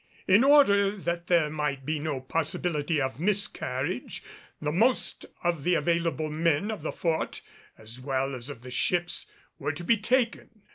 In order that there might be no possibility of miscarriage, the most of the available men of the Fort as well as of the ships were to be taken.